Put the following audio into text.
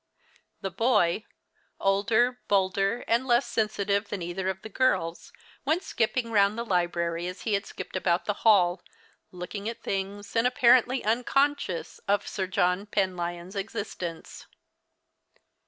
The boy, older, bolder, and less sensitive than either of the girls, went skipping round the library as he had skipped about the hall, looking at things and apparently unconscious of Sir John Penlyon's existence.